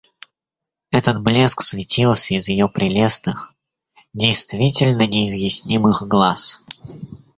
Этот блеск светился из ее прелестных, действительно неизъяснимых глаз.